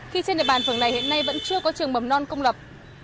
khi trên địa bàn phường này hiện nay vẫn chưa có trường mầm non công lập